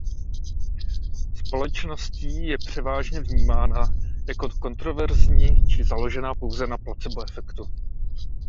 Společností je převážně vnímána jako kontroverzní či založená pouze na placebo efektu.